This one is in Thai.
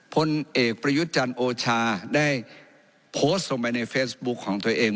พลเอกประยุทธ์จันทร์โอชาได้โพสต์ลงไปในเฟซบุ๊คของตัวเอง